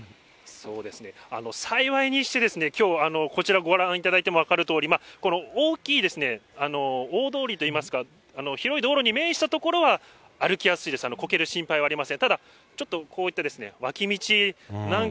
そうですね、幸いにして、きょう、こちら、ご覧いただいても分かるとおり、大きい大通りと言いますか、広い道路に面した所は歩きやすいです、こける心配はありません。